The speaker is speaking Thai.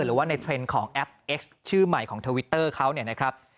หรือว่าในเทรนด์ของแอปเอ็กซ์ชื่อใหม่ของทวิตเตอร์เขาเนี่ยนะครับ